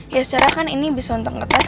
ya secara kan ini bisa nonton kertas